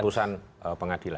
pertanyaan dari putusan pengadilan